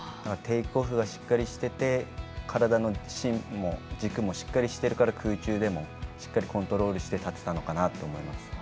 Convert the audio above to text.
テイクオフがしっかりしていて体の芯も軸もしっかりしているから空中でもしっかりコントロールして立てたのかなと思います。